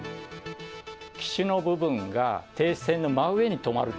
機首の部分が停止線の真上に止まる。